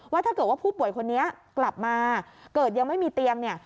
ถ้าเกิดว่าผู้ป่วยคนนี้กลับมาเกิดยังไม่มีเตียงเนี่ย